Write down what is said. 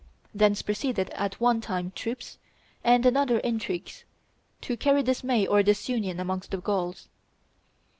Thence proceeded at one time troops, at another intrigues, to carry dismay or disunion amongst the Gauls.